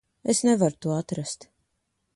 Es nevaru to atrast.